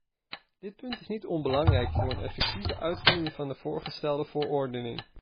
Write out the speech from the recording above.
Dit punt is niet onbelangrijk voor een effectieve uitvoering van de voorgestelde verordening.